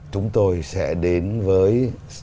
chúng tôi sẽ đến với